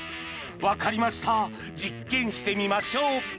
分かりました実験してみましょう！